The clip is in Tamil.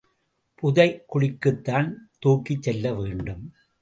புதை குழிக்குத்தான் தூக்கிச் செல்லவேண்டும்.